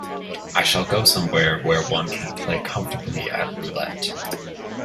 I shall go somewhere where one can play comfortably at roulette.